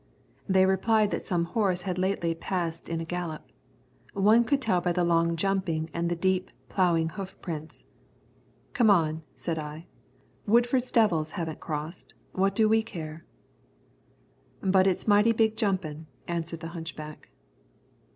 They replied that some horse had lately passed in a gallop. One could tell by the long jumping and the deep, ploughing hoof prints. "Come on," said I, "Woodford's devils haven't crossed. What do we care?" "But it's mighty big jumpin'," answered the hunchback.